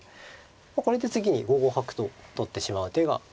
これで次に５五角と取ってしまう手が。